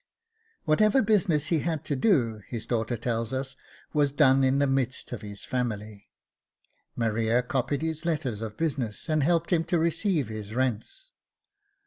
Whatever business he had to do, his daughter tells us, was done in the midst of his family. Maria copied his letters of business and helped him to receive his rents.